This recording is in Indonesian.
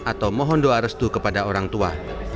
atau mohon doa restu kepada orang tua